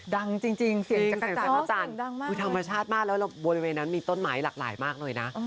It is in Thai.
ดังจริงเสียงจันทร์ดังมากธรรมชาติมากแล้วบริเวณนั้นมีต้นไม้หลากหลายมากเลยนะ